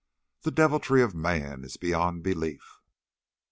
The deviltry of man is beyond belief!"